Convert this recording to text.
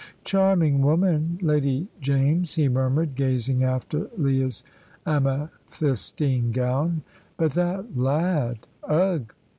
"Charming woman, Lady James," he murmured, gazing after Leah's amethystine gown; "but that lad ugh!"